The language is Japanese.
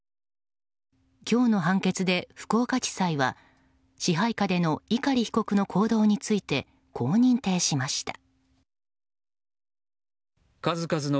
今日の判決で福岡地裁は支配下での碇被告の行動についてこう認定しました。